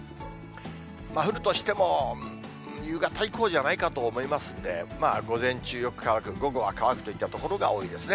降るとしても、夕方以降じゃないかと思いますんで、まあ午前中よく乾く、午後は乾くといった所が多いですね。